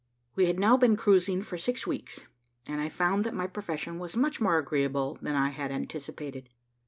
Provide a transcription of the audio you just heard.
We had now been cruising for six weeks, and I found that my profession was much more agreeable than I had anticipated.